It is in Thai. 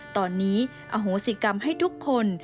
ตอนนี้อโหสิกรรมให้ทุกคน